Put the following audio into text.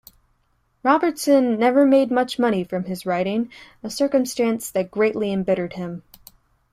Robertson never made much money from his writing, a circumstance that greatly embittered him.